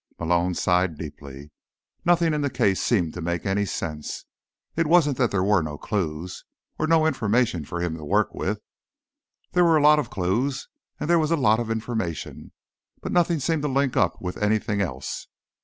Malone sighed deeply. Nothing in the case seemed to make any sense. It wasn't that there were no clues, or no information for him to work with. There were a lot of clues, and there was a lot of information. But nothing seemed to link up with anything else.